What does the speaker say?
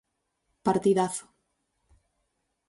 Partidazo.